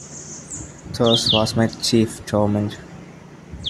Thirst was my chief torment.